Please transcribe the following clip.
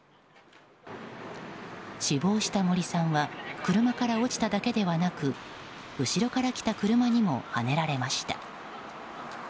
死亡した森さんは車から落ちただけではなく後ろから来た車にもはねられました。